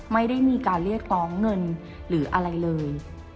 ไม่ได้มีการเรียกร้องเงินหรืออะไรเลย